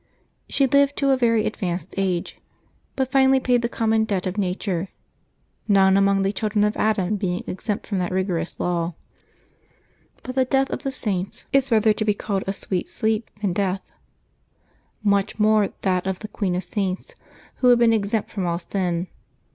She lived to a very advanced age, but finally paid the common debt of nature, none among the children of Adam being exempt from that rigorous law. But the death of the Saints is 282 LIVES OF THE SAINTS [August 16 rather to be called a sweet sleep than death; much more that of the Queen of Saints, who had been exempt from all sin.